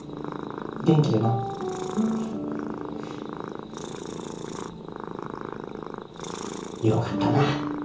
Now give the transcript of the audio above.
元気でな。よかったなぁ。